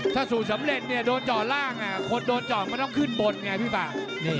ถ้าศูนย์สำเร็จโดนจอล่างคนโดนจอดมันต้องขึ้นบนไงพี่ปาก